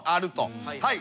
はい。